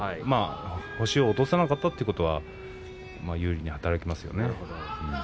星を落とさなかったということは有利に働きますよね。